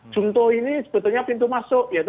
jumto ini sebetulnya pintu masuk yaitu